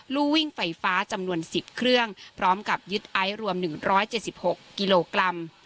ลูวิ่งไฟฟ้าจำวนสิบเครื่องพร้อมกับยึดไอ้รวมหนึ่งร้อยเจสิบหกกิโลกรัม